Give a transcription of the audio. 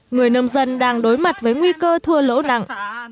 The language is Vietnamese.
người nông dân đang đối mặt với nguy cơ thua lỗ nặng